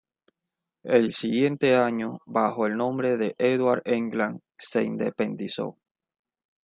El siguiente año, bajo el nombre de "Edward England", se independizó.